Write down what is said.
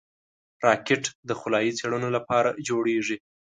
راکټ د خلایي څېړنو لپاره جوړېږي